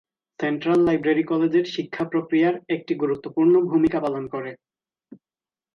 Central library কলেজের শিক্ষা প্রক্রিয়ার একটি গুরুত্বপূর্ণ ভূমিকা পালন করে।